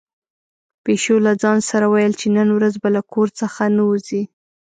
پيشو له ځان سره ویل چې نن ورځ به له کور څخه نه وځي.